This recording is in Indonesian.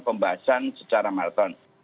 pembahasan secara maraton